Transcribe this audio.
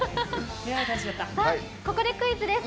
ここでクイズです。